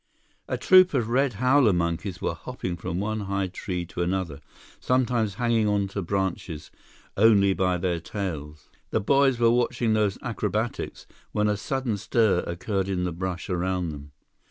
A troop of red howler monkeys were hopping from one high tree to another, sometimes hanging on to branches only by their tails. The boys were watching those acrobatics, when a sudden stir occurred in the brush around them.